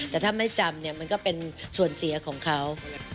แต่ถ้าไม่จำเนี่ยมันก็เป็นส่วนเสียของเขา